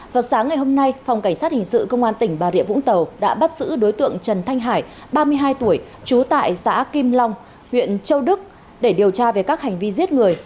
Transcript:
vào sáng ngày hôm nay phòng cảnh sát hình sự công an tỉnh bà rịa vũng tàu đã bắt giữ đối tượng trần thanh hải ba mươi hai tuổi trú tại xã kim long huyện châu đức để điều tra về các hành vi giết người